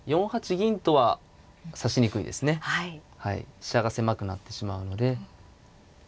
飛車が狭くなってしまうので。